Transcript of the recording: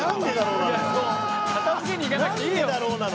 片付けに行かなくていいよ。